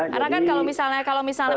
karena kan kalau misalnya